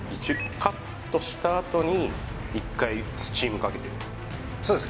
カットしたあとに一回スチームかけてるそうです